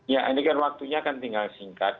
ya ini kan waktunya kan tinggal singkat